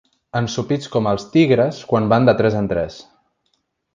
Ensopits com els tigres quan van de tres en tres.